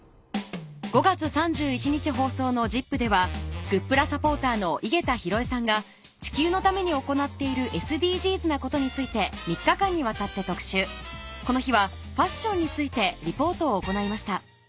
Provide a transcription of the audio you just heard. ５月３１日放送の『ＺＩＰ！』ではグップラサポーターの井桁弘恵さんが地球のために行っているＳＤＧｓなことについて３日間にわたって特集この日はファッションについてリポートを行いました